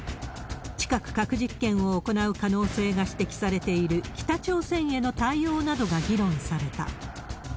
近く核実験を行う可能性が指摘されている、北朝鮮への対応などが議論された。